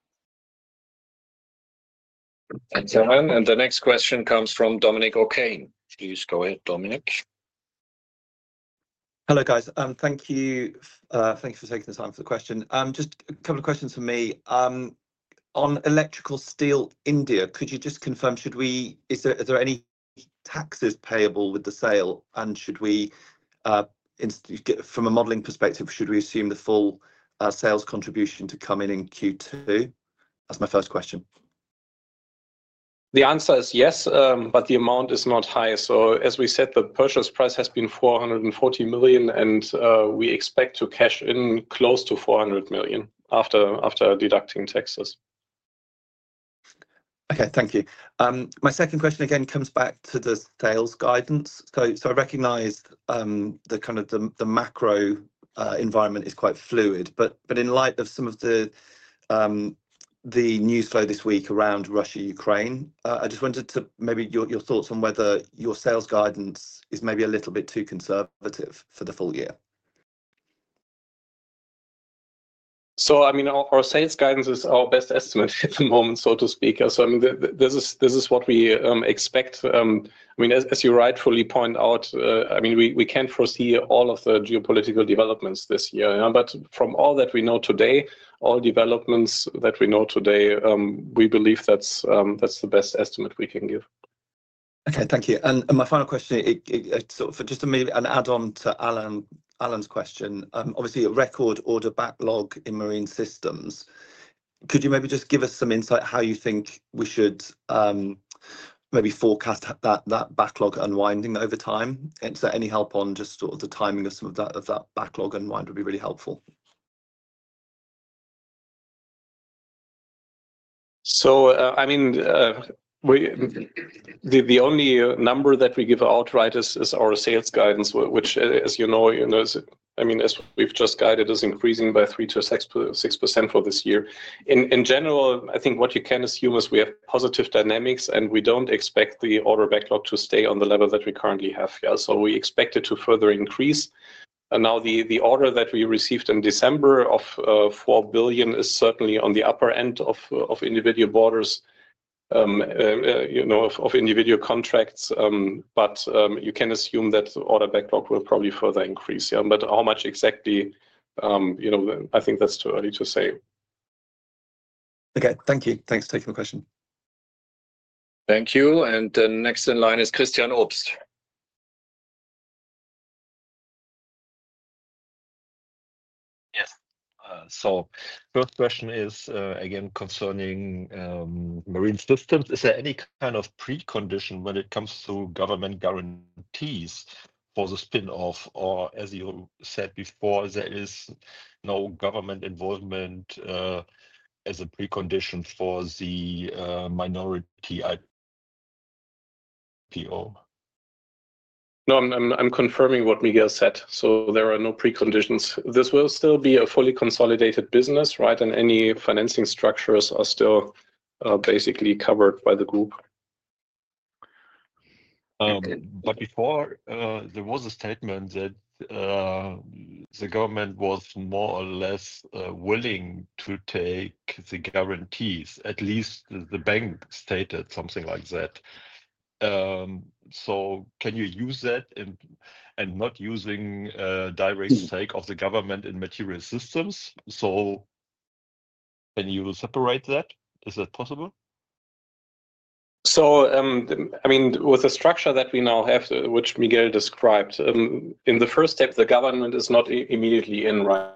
Thanks, Alain. The next question comes from Dominic O'Kane. Please go ahead, Dominic. Hello, guys. Thank you for taking the time for the question. Just a couple of questions for me. On Electrical Steel India, could you just confirm, is there any taxes payable with the sale, and should we, from a modeling perspective, should we assume the full sales contribution to come in in Q2? That's my first question. The answer is yes, but the amount is not high. So as we said, the purchase price has been 440 million, and we expect to cash in close to 400 million after deducting taxes. Okay. Thank you. My second question again comes back to the sales guidance. So I recognize that kind of the macro environment is quite fluid. But in light of some of the news flow this week around Russia-Ukraine, I just wanted to maybe your thoughts on whether your sales guidance is maybe a little bit too conservative for the full year? So I mean, our sales guidance is our best estimate at the moment, so to speak. So I mean, this is what we expect. I mean, as you rightfully point out, I mean, we can't foresee all of the geopolitical developments this year. But from all that we know today, all developments that we know today, we believe that's the best estimate we can give. Okay. Thank you. And my final question, just to maybe add on to Alain's question, obviously, a record order backlog in Marine Systems. Could you maybe just give us some insight how you think we should maybe forecast that backlog unwinding over time? Is there any help on just sort of the timing of some of that backlog unwind? It would be really helpful. I mean, the only number that we give outright is our sales guidance, which, as you know, I mean, as we've just guided, is increasing by 3%-6% for this year. In general, I think what you can assume is we have positive dynamics, and we don't expect the order backlog to stay on the level that we currently have. We expect it to further increase. Now, the order that we received in December of 4 billion is certainly on the upper end of individual orders, of individual contracts. But you can assume that the order backlog will probably further increase. But how much exactly, I think that's too early to say. Okay. Thank you. Thanks for taking the question. Thank you. The next in line is Christian Obst. Yes. So first question is, again, concerning Marine Systems, is there any kind of precondition when it comes to government guarantees for the spin-off? Or as you said before, there is no government involvement as a precondition for the minority IPO? No, I'm confirming what Miguel said. So there are no preconditions. This will still be a fully consolidated business, right? And any financing structures are still basically covered by the group. But before, there was a statement that the government was more or less willing to take the guarantees, at least the bank stated something like that. So can you use that and not using direct stake of the government in Marine Systems? So can you separate that? Is that possible? So I mean, with the structure that we now have, which Miguel described, in the first step, the government is not immediately in, right?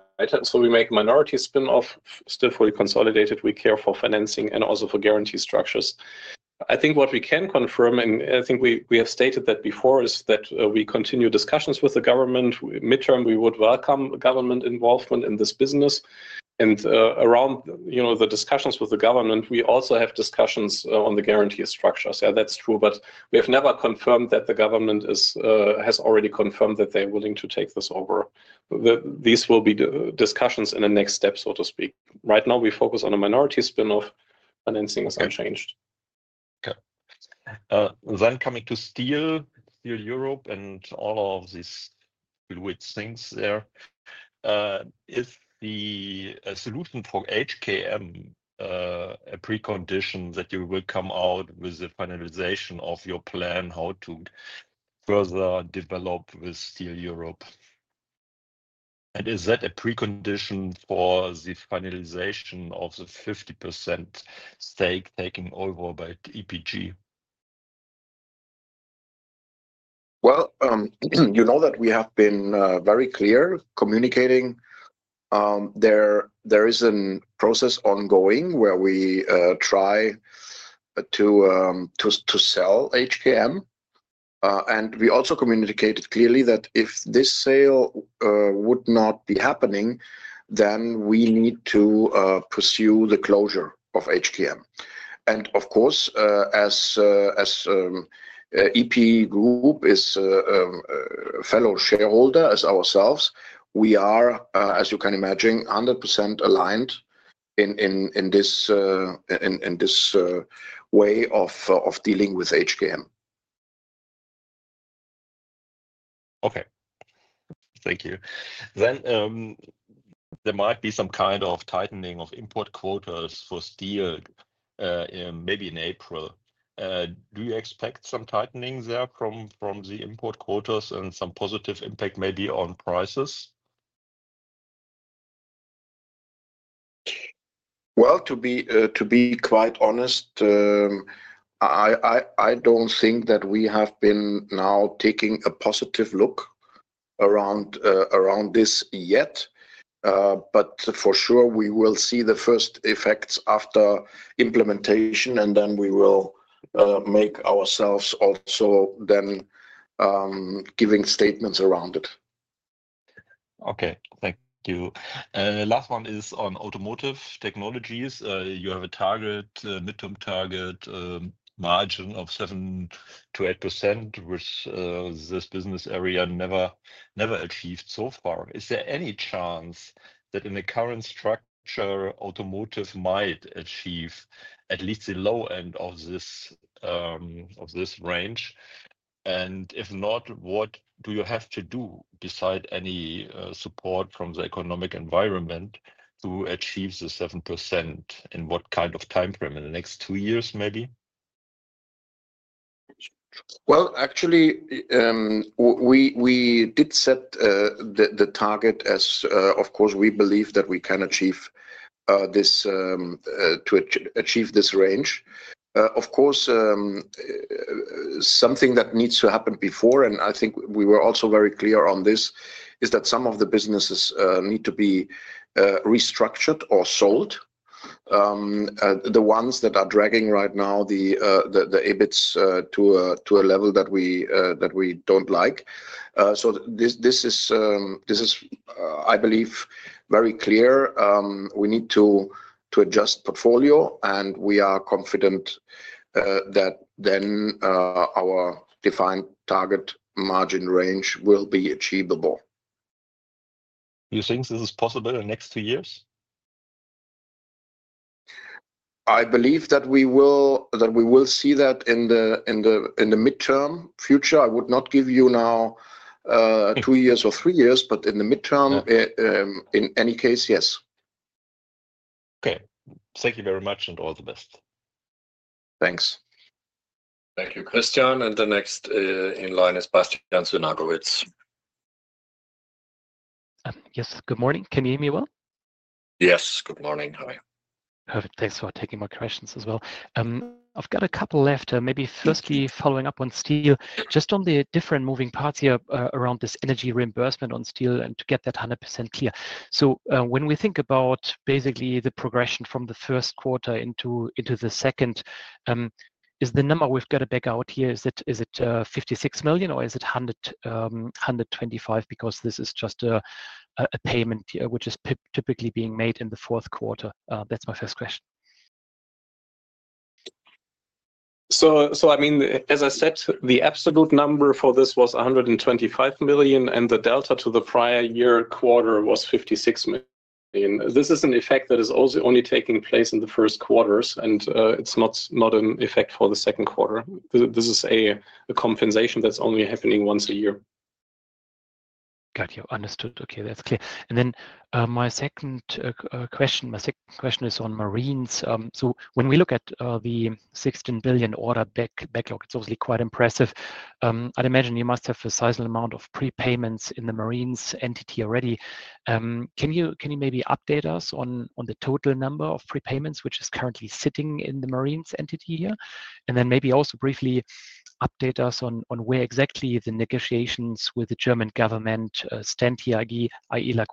So we make minority spin-off, still fully consolidated. We care for financing and also for guarantee structures. I think what we can confirm, and I think we have stated that before, is that we continue discussions with the government. Midterm, we would welcome government involvement in this business. And around the discussions with the government, we also have discussions on the guarantee structures. Yeah, that's true. But we have never confirmed that the government has already confirmed that they're willing to take this over. These will be discussions in the next step, so to speak. Right now, we focus on a minority spin-off. Financing is unchanged. Okay. Then coming to steel, Steel Europe and all of these fluid things there, is the solution for HKM a precondition that you will come out with the finalization of your plan, how to further develop with Steel Europe? And is that a precondition for the finalization of the 50% stake taking over by EP Group? Well, you know that we have been very clear communicating. There is a process ongoing where we try to sell HKM. And we also communicated clearly that if this sale would not be happening, then we need to pursue the closure of HKM. And of course, as EP Group is a fellow shareholder as ourselves, we are, as you can imagine, 100% aligned in this way of dealing with HKM. Okay. Thank you. Then there might be some kind of tightening of import quotas for steel maybe in April. Do you expect some tightening there from the import quotas and some positive impact maybe on prices? Well, to be quite honest, I don't think that we have been now taking a positive look around this yet. But for sure, we will see the first effects after implementation, and then we will make ourselves also then giving statements around it. Okay. Thank you. Last one is on Automotive technologies. You have a target, midterm target margin of 7%-8%, which this business area never achieved so far. Is there any chance that in the current structure, Automotive might achieve at least the low end of this range? And if not, what do you have to do beside any support from the economic environment to achieve the 7% in what kind of time frame in the next two years maybe? Well, actually, we did set the target as, of course, we believe that we can achieve this to achieve this range. Of course, something that needs to happen before, and I think we were also very clear on this, is that some of the businesses need to be restructured or sold, the ones that are dragging right now the EBITs to a level that we don't like. So this is, I believe, very clear. We need to adjust portfolio, and we are confident that then our defined target margin range will be achievable. You think this is possible in the next two years? I believe that we will see that in the midterm future. I would not give you now two years or three years, but in the midterm, in any case, yes. Okay. Thank you very much and all the best. Thanks. Thank you, Christian. And the next in line is Bastian Synagowitz. Yes. Good morning. Can you hear me well? Yes. Good morning. How are you? Perfect. Thanks for taking my questions as well. I've got a couple left. Maybe firstly following up on steel, just on the different moving parts here around this energy reimbursement on steel and to get that 100% clear. So when we think about basically the progression from the first quarter into the second, is the number we've got to back out here, is it 56 million or is it 125 million because this is just a payment which is typically being made in the fourth quarter? That's my first question. So I mean, as I said, the absolute number for this was 125 million, and the delta to the prior year quarter was 56 million. This is an effect that is also only taking place in the first quarters, and it's not an effect for the second quarter. This is a compensation that's only happening once a year. Got you. Understood. Okay. That's clear. And then my second question, my second question is on Marine Systems. So when we look at the 16 billion order backlog, it's obviously quite impressive. I'd imagine you must have a sizable amount of prepayments in the Marine Systems entity already. Can you maybe update us on the total number of prepayments which is currently sitting in the Marine Systems entity here? And then maybe also briefly update us on where exactly the negotiations with the German government stand here, i.e.,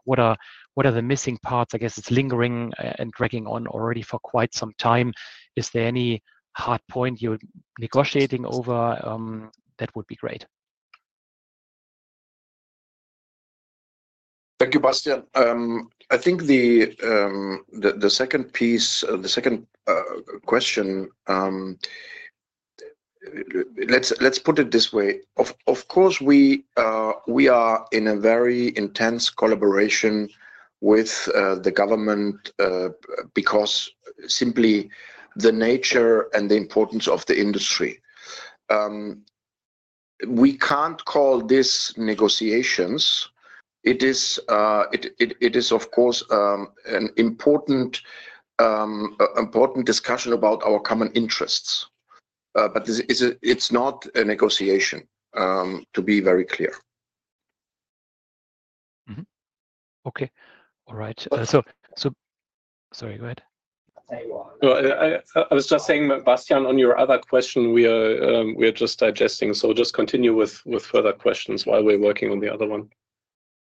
what are the missing parts? I guess it's lingering and dragging on already for quite some time. Is there any hard point you're negotiating over? That would be great. Thank you, Bastian. I think the second piece, the second question, let's put it this way. Of course, we are in a very intense collaboration with the government because simply the nature and the importance of the industry. We can't call this negotiations. It is, of course, an important discussion about our common interests. But it's not a negotiation, to be very clear. Okay. All right. So sorry, go ahead. I was just saying, Bastian, on your other question, we are just digesting. So just continue with further questions while we're working on the other one.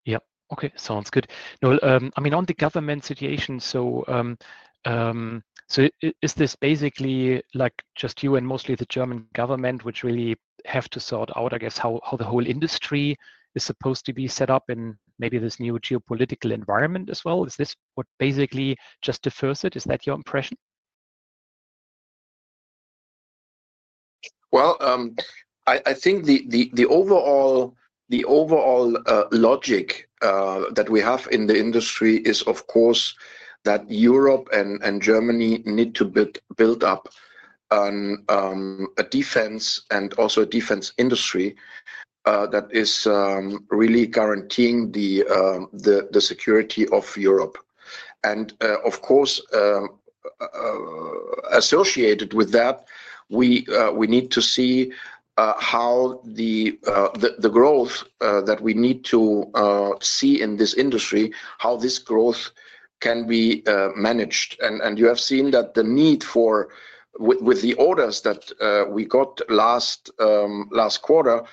Yeah. Okay. Sounds good. I mean, on the government situation, so is this basically just you and mostly the German government which really have to sort out, I guess, how the whole industry is supposed to be set up in maybe this new geopolitical environment as well? Is this what basically just defers it? Is that your impression? Well, I think the overall logic that we have in the industry is, of course, that Europe and Germany need to build up a defense and also a defense industry that is really guaranteeing the security of Europe. And of course, associated with that, we need to see how the growth that we need to see in this industry, how this growth can be managed. And you have seen that the need for, with the orders that we got last quarter,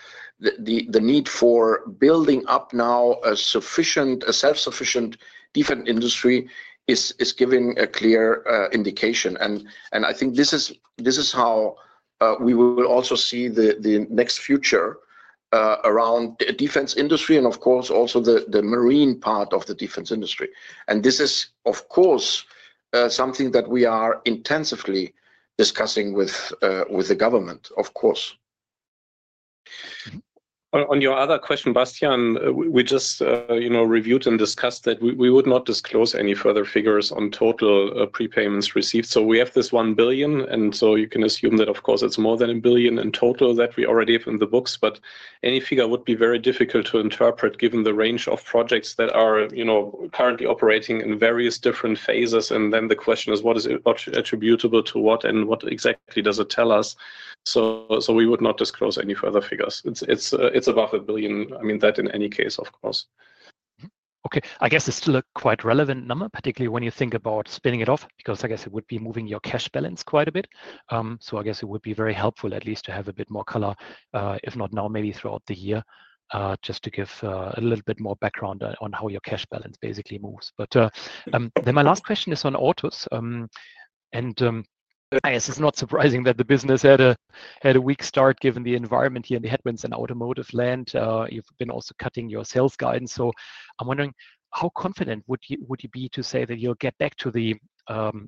the need for building up now a self-sufficient defense industry is giving a clear indication. And I think this is how we will also see the next future around the defense industry and, of course, also the Marine part of the defense industry. And this is, of course, something that we are intensively discussing with the government, of course. On your other question, Bastian, we just reviewed and discussed that we would not disclose any further figures on total prepayments received, so we have this 1 billion, and so you can assume that, of course, it's more than 1 billion in total that we already have in the books. But any figure would be very difficult to interpret given the range of projects that are currently operating in various different phases, and then the question is, what is attributable to what and what exactly does it tell us, so we would not disclose any further figures. It's above 1 billion. I mean, that in any case, of course. Okay. I guess it's still a quite relevant number, particularly when you think about spinning it off because, I guess, it would be moving your cash balance quite a bit. So I guess it would be very helpful at least to have a bit more color, if not now, maybe throughout the year, just to give a little bit more background on how your cash balance basically moves. But then my last question is on autos. And I guess it's not surprising that the business had a weak start given the environment here in the headwinds and Automotive land. You've been also cutting your sales guidance. So I'm wondering, how confident would you be to say that you'll get back to the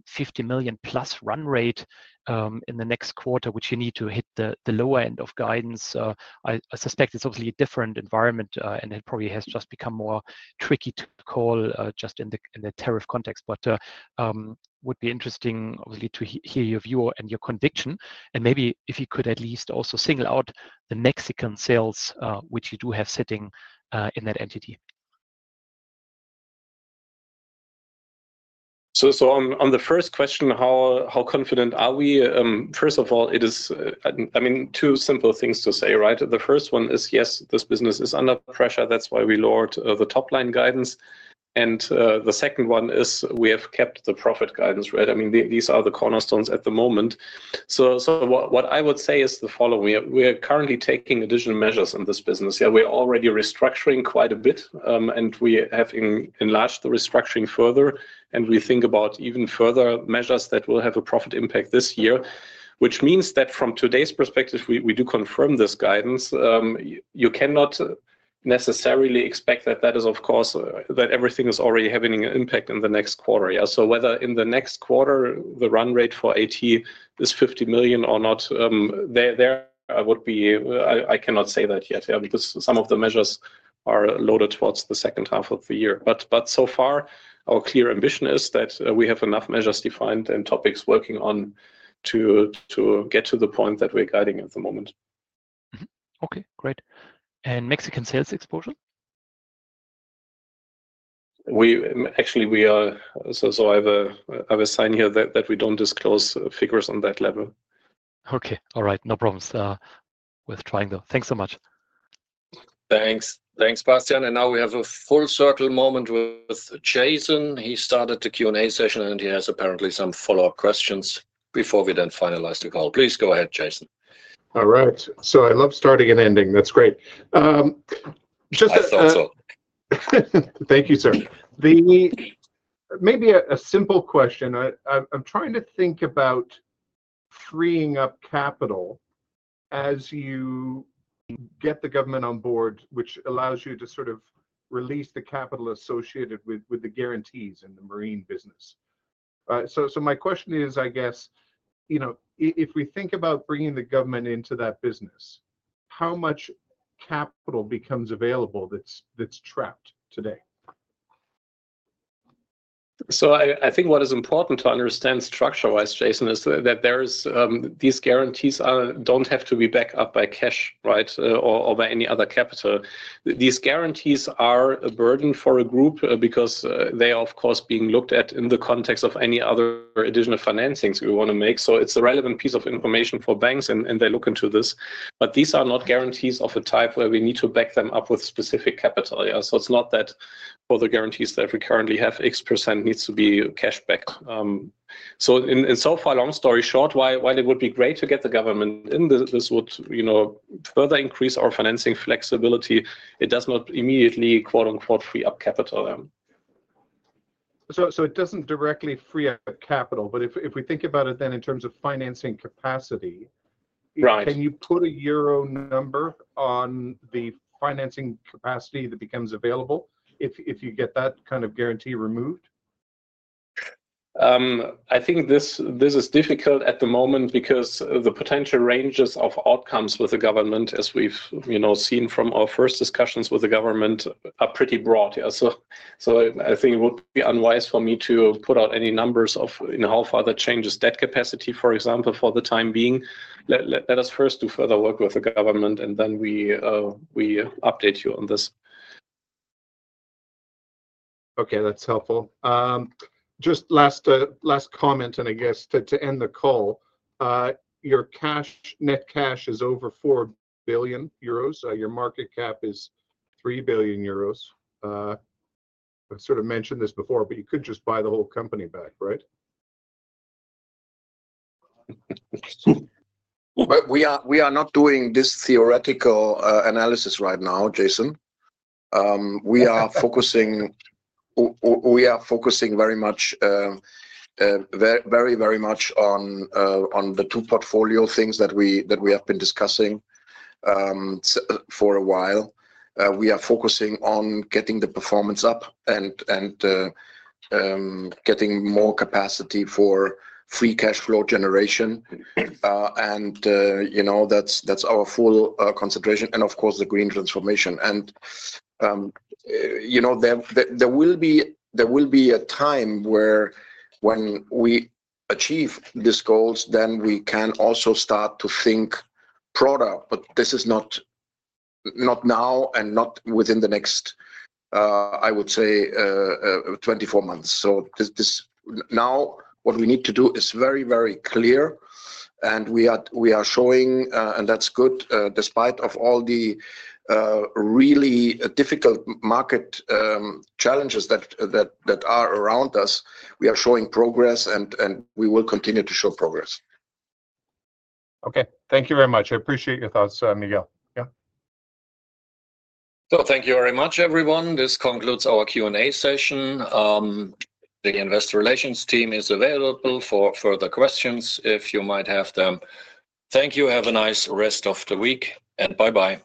50 million-plus run rate in the next quarter, which you need to hit the lower end of guidance? I suspect it's obviously a different environment, and it probably has just become more tricky to call just in the tariff context. But it would be interesting, obviously, to hear your view and your conviction. And maybe if you could at least also single out the Mexican sales, which you do have sitting in that entity. So on the first question, how confident are we? First of all, it is, I mean, two simple things to say, right? The first one is, yes, this business is under pressure. That's why we lowered the top-line guidance. And the second one is we have kept the profit guidance, right? I mean, these are the cornerstones at the moment. So what I would say is the following. We are currently taking additional measures in this business. Yeah, we're already restructuring quite a bit, and we have enlarged the restructuring further. And we think about even further measures that will have a profit impact this year, which means that from today's perspective, we do confirm this guidance. You cannot necessarily expect that that is, of course, that everything is already having an impact in the next quarter. So whether in the next quarter, the run rate for AT is 50 million or not, there, I cannot say that yet. Some of the measures are loaded towards the second half of the year. But so far, our clear ambition is that we have enough measures defined and topics working on to get to the point that we're guiding at the moment. Okay. Great. And Mexican sales exposure? Actually, we are, so I have a sign here that we don't disclose figures on that level. Okay. All right. No problems with trying though. Thanks so much. Thanks. Thanks, Bastian. And now we have a full circle moment with Jason. He started the Q&A session, and he has apparently some follow-up questions before we then finalize the call. Please go ahead, Jason. All right. So I love starting and ending. That's great. Just a thought. Thank you, sir. Maybe a simple question. I'm trying to think about freeing up capital as you get the government on board, which allows you to sort of release the capital associated with the guarantees in the Marine business. So my question is, I guess, if we think about bringing the government into that business, how much capital becomes available that's trapped today? So I think what is important to understand structurally, Jason, is that these guarantees don't have to be backed up by cash, right, or by any other capital. These guarantees are a burden for a group because they are, of course, being looked at in the context of any other additional financings we want to make. So it's a relevant piece of information for banks, and they look into this. But these are not guarantees of a type where we need to back them up with specific capital. So it's not that for the guarantees that we currently have, X% needs to be cash back. So insofar, long story short, while it would be great to get the government in, this would further increase our financing flexibility. It does not immediately "free up capital." So it doesn't directly free up capital. But if we think about it then in terms of financing capacity, can you put a euro number on the financing capacity that becomes available if you get that kind of guarantee removed? I think this is difficult at the moment because the potential ranges of outcomes with the government, as we've seen from our first discussions with the government, are pretty broad. So I think it would be unwise for me to put out any numbers of how far that changes debt capacity, for example, for the time being. Let us first do further work with the government, and then we update you on this. Okay. That's helpful. Just last comment, and I guess to end the call, your net cash is over 4 billion euros. Your market cap is 3 billion euros. I sort of mentioned this before, but you could just buy the whole company back, right? We are not doing this theoretical analysis right now, Jason. We are focusing very much on the two portfolio things that we have been discussing for a while. We are focusing on getting the performance up and getting more capacity for free cash flow generation. And that's our full concentration. And of course, the green transformation. And there will be a time where when we achieve these goals, then we can also start to think broader. But this is not now and not within the next, I would say, 24 months. So now what we need to do is very, very clear. And we are showing, and that's good, despite all the really difficult market challenges that are around us, we are showing progress, and we will continue to show progress. Okay. Thank you very much. I appreciate your thoughts, Miguel. Yeah. So thank you very much, everyone. This concludes our Q&A session. The investor relations team is available for further questions if you might have them. Thank you. Have a nice rest of the week, and bye-bye.